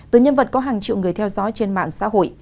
từ nhân vật có hàng triệu người theo dõi trên mạng xã hội